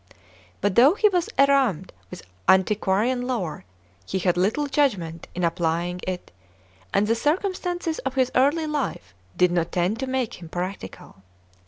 But though he was erammed with antiquarian lore, he had little judgment in applying it, and the circumstances of his early life did not tend to make him practical.